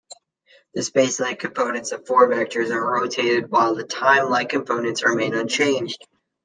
The spacelike components of four-vectors are rotated, while the timelike components remain unchanged.